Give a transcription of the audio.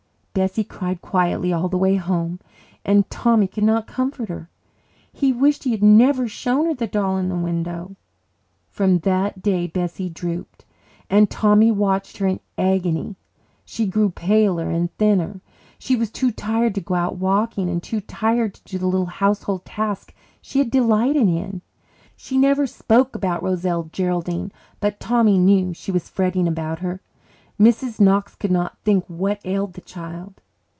Bessie cried quietly all the way home, and Tommy could not comfort her. He wished he had never shown her the doll in the window. From that day Bessie drooped, and Tommy watched her in agony. She grew paler and thinner. She was too tired to go out walking, and too tired to do the little household tasks she had delighted in. She never spoke about Roselle Geraldine, but Tommy knew she was fretting about her. Mrs. Knox could not think what ailed the child.